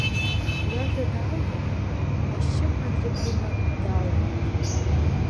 Иажәа даалган, ашьшьыҳәа атрибуна даалбааит.